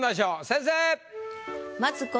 先生！